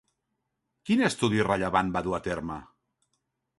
Quin estudi rellevant va dur a terme?